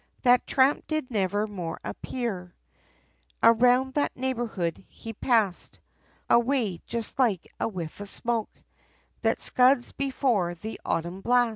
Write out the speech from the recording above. That tramp did never more appear Around that neighbourhood, he passed Away, just like a whiff of smoke, That scuds before the autumn blast!